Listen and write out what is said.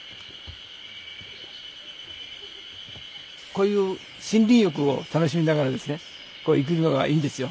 こういう森林浴を楽しみながらですねこう行くのがいいんですよ。